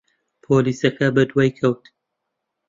پۆلیسەکە بەدوای کەوت.